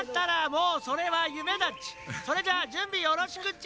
それじゃあじゅんびよろしくっち。